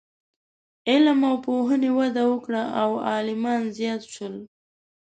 علم او پوهنې وده وکړه او عالمان زیات شول.